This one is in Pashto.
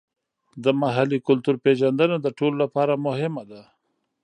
د محلي کلتور پیژندنه د ټولو لپاره مهمه ده.